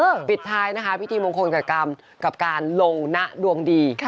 ปิดท้ายนะคะพิธีมงคลกับกรรมกับการลงนะดวงดี